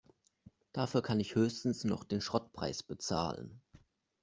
Dafür kann ich höchstens noch den Schrottpreis bezahlen.